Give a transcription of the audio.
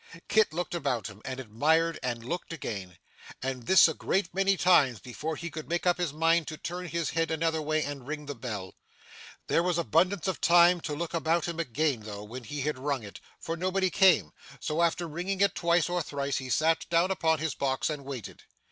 Kit looked about him, and admired, and looked again, and this a great many times before he could make up his mind to turn his head another way and ring the bell. There was abundance of time to look about him again though, when he had rung it, for nobody came, so after ringing it twice or thrice he sat down upon his box, and waited.